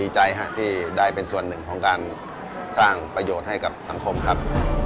ที่ได้เป็นส่วนหนึ่งของการสร้างประโยชน์ให้กับสังคมครับ